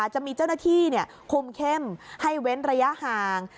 จะมีเจ้าหน้าที่คุมเข้มให้เว้นระยะห่าง